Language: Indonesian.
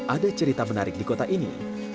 ada cerita menarik di kota ini